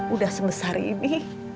udah sebesar ini